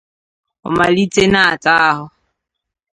ọ malite na-ata ahụ